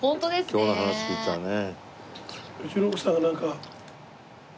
今日の話聞いてたらね。